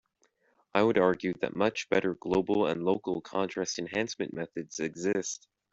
I would argue that much better global and local contrast enhancement methods exist.